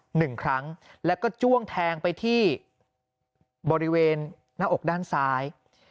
หนึ่งครั้งแล้วก็จ้วงแทงไปที่บริเวณหน้าอกด้านซ้าย